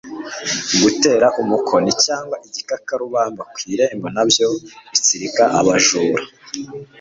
Gutera umukoni cyangwa igikakarubamba ku irembo nabyo bitsirika abajura,